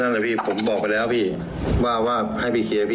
ผมไม่ได้อะไรบอกไปแล้วพี่ว่าว่าให้พี่เคลียร์พี่อ่ะ